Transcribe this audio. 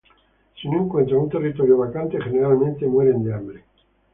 Si no encuentran un territorio vacante, generalmente mueren de hambre.